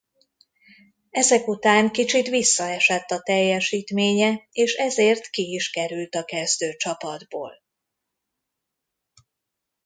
Ezek után kicsit visszaesett a teljesítménye és ezért ki is került a kezdőcsapatból.